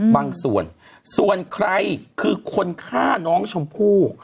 บางส่วนส่วนใครคือคนฆ่าน้องชมพู่